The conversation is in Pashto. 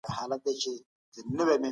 اړتیا د مینې په نوم یادیږي.